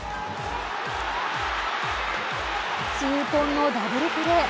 痛恨のダブルプレー。